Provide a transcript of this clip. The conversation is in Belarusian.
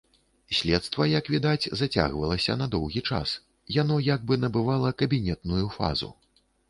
Следства, як відаць, зацягвалася на доўгі час, яно як бы набывала кабінетную фазу.